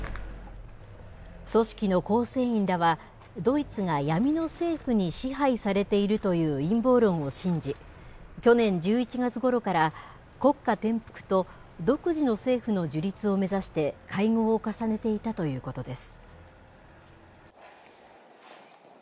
組織の構成員らは、ドイツが闇の政府に支配されているという陰謀論を信じ、去年１１月ごろから、国家転覆と、独自の政府の樹立を目指して、会合を重ねていたということです。